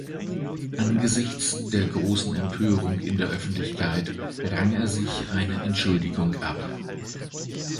Angesichts der großen Empörung in der Öffentlichkeit rang er sich eine Entschuldigung ab.